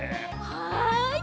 はい。